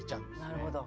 なるほど。